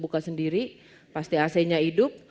buka sendiri pasti ac nya hidup